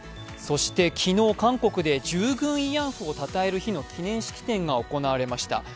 昨日、韓国で従軍慰安婦をたたえる日の記念式典が行われました。